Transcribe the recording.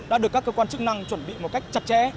đã được các cơ quan chức năng chuẩn bị một cách chặt chẽ